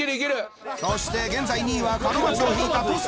そして現在２位は門松を引いた登坂。